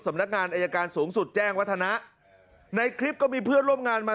สำนักงานอายการสูงสุดแจ้งวัฒนะในคลิปก็มีเพื่อนร่วมงานมา